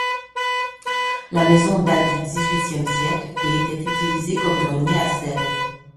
La maison date du et était utilisée comme grenier à sel.